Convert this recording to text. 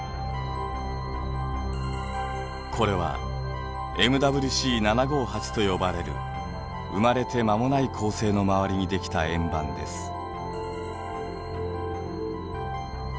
これはＭＷＣ７５８と呼ばれる生まれて間もない恒星の周りにできた円盤です。